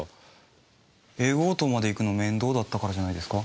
Ａ号棟まで行くのが面倒だったからじゃないですか？